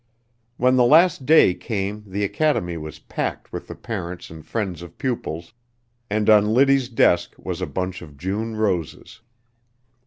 When the last day came the academy was packed with the parents and friends of pupils, and on Liddy's desk was a bunch of June roses.